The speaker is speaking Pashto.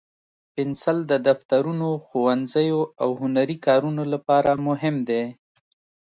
پنسل د دفترونو، ښوونځیو، او هنري کارونو لپاره مهم دی.